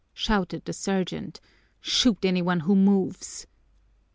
shouted the sergeant. "Shoot any one who moves!"